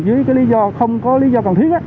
dưới cái lý do không có lý do cần thiết